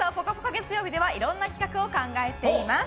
月曜日ではいろんな企画を考えています。